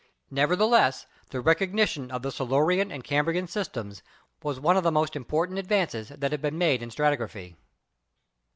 Nevertheless the recognition •of the Silurian and Cambrian systems was one of the most important advances that have been made in stratigraphy.